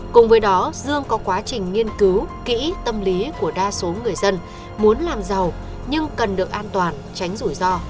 cùng với đó dương có quá trình nghiên cứu kỹ tâm lý của đa số người dân muốn làm giàu nhưng cần được an toàn tránh rủi ro